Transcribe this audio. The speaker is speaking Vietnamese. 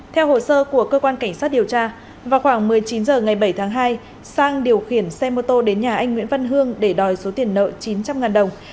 theo hồ sơ của cơ quan cảnh sát điều tra vào khoảng một mươi chín h ngày bảy tháng hai sang điều khiển xe mô tô đến nhà anh nguyễn văn hương để đòi số tiền nợ chín trăm linh đồng